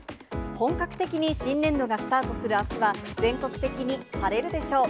本格的に新年度がスタートするあすは、全国的に晴れるでしょう。